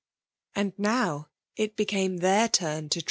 And now it became their turn to.